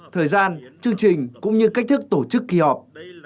thời gian chương trình cũng như cách thức tổ chức kỳ họp